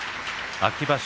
秋場所